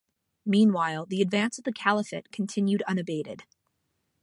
Meanwhile, the advance of the Caliphate continued unabated.